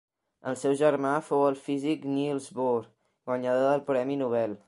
El seu germà fou el físic Niels Bohr, guanyador del premi Nobel.